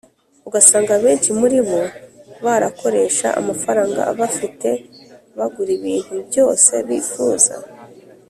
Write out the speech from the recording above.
ugasanga abenshi muri bo barakoresha amafaranga bafite bagura ibintu byose bifuza